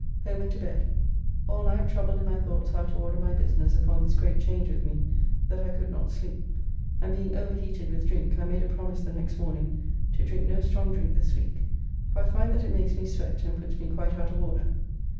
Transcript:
Home and to bed. All night troubled in my thoughts how to order my business upon this great change with me that I could not sleep, and being overheated with drink I made a promise the next morning to drink no strong drink this week, for I find that it makes me sweat and puts me quite out of order.